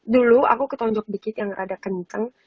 dulu aku ketonjok dikit yang ada kenceng